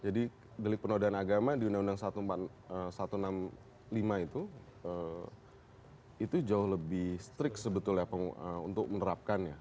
jadi delik penodaan agama di undang undang satu ratus enam puluh lima itu itu jauh lebih strict sebetulnya untuk menerapkannya